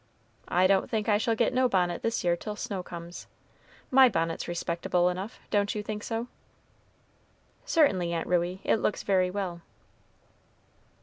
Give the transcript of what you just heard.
I don't think I shall get no bonnet this year till snow comes. My bonnet's respectable enough, don't you think so?" "Certainly, Aunt Ruey, it looks very well."